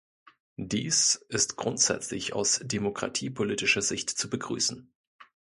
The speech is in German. Dies ist grundsätzlich aus demokratiepolitischer Sicht zu begrüßen.